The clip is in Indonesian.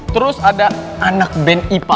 terus ada anak band ipa